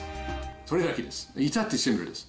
それだけです。